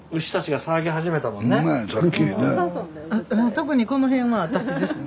特にこの辺は私ですね。